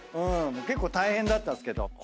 結構大変だったんですけど。